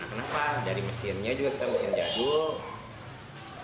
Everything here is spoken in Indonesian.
nah kenapa dari mesinnya juga kita mesin jadul